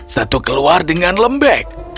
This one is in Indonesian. satu keluar dengan lembek